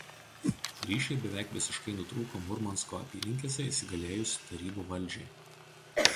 Ryšiai beveik visiškai nutrūko Murmansko apylinkėse įsigalėjus Tarybų valdžiai.